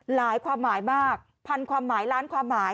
ความหมายมากพันความหมายล้านความหมาย